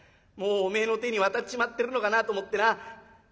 もうおめえの手に渡っちまってるのかなと思ってな。